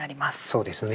そうですね。